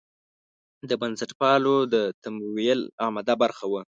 د بنسټپالو د تمویل عمده برخه وه.